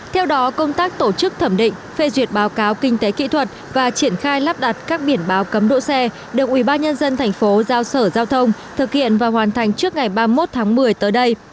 theo đó công tác tổ chức thẩm định phê duyệt báo cáo kinh tế kỹ thuật và triển khai lắp đặt các biển báo cấm đỗ xe được ubnd tp giao sở giao thông thực hiện và hoàn thành trước ngày ba mươi một tháng một mươi tới đây